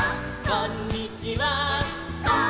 「こんにちは」「」